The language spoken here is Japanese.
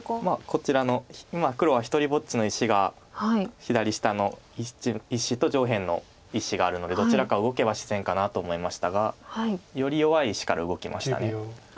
こちらの黒は独りぼっちの石が左下の１子と上辺の１子があるのでどちらか動けば自然かなと思いましたがより弱い石から動きました。